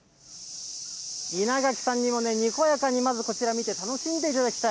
稲垣さんにもね、にこやかにまずこちら見て、楽しんでいただきたい。